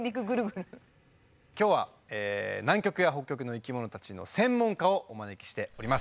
今日はえ南極や北極の生きものたちの専門家をお招きしております！